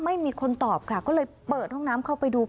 ไม่มีคนตอบค่ะก็เลยเปิดห้องน้ำเข้าไปดู